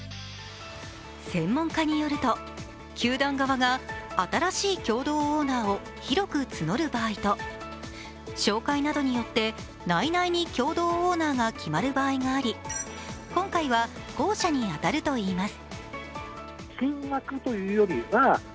専門家によると、球団側が新しい共同オーナーを広く募る場合と紹介などによって内々に共同オーナーが決まる場合があり今回は後者に当たるといいます。